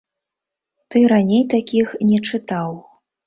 Ты раней такіх не чытаў.